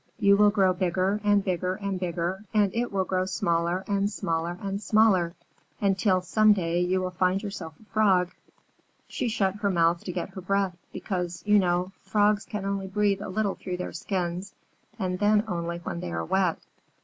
You will grow bigger and bigger and bigger, and it will grow smaller and smaller and smaller, until some day you will find yourself a Frog." She shut her mouth to get her breath, because, you know, Frogs can only breathe a little through their skins, and then only when they are wet.